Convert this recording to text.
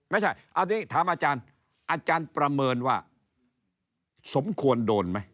ไม่ใช่เอาที่ถามอาจารย์อาจารย์ประเมินว่าสมควรโดนไหม